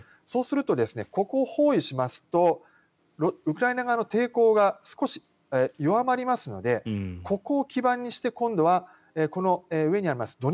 そうすると、ここを包囲しますとウクライナ側の抵抗が少し弱まりますのでここを基盤にして今度はこの上にあります